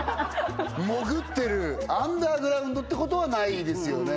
潜ってるアンダーグラウンドってことはないですよね